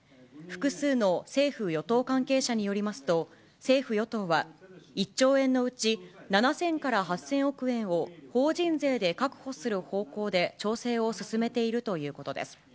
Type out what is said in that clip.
複数の政府・与党関係者によりますと、政府・与党は、１兆円のうち７０００から８０００億円を、法人税で確保する方向で調整を進めているということです。